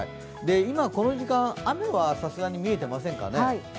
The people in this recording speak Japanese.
今この時間、雨はさすがに見えていませんかね。